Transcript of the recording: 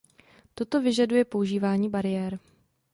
Toto vyžaduje používání bariér.